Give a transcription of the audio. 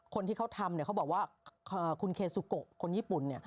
คนที่เขาทำเขาบอกว่าคุณเคซุโกคนญี่ปุ่น